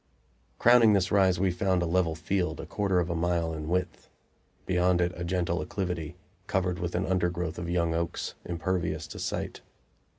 Crowning this rise we found a level field, a quarter of a mile in width; beyond it a gentle acclivity, covered with an undergrowth of young oaks, impervious to sight.